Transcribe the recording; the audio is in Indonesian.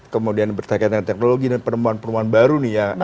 kemudian berkaitan dengan teknologi dan penemuan penemuan baru nih